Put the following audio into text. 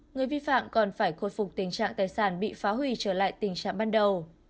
người vi phạm còn phải khôi phục tình trạng tài sản bị phá hủy trở lại tình trạng ban đầu